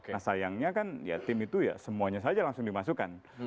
nah sayangnya kan ya tim itu ya semuanya saja langsung dimasukkan